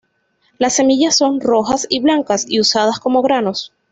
Las semillas son rojas y blancas y usadas como granos.